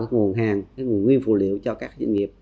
các nguồn hàng cái nguồn nguyên vụ liệu cho các doanh nghiệp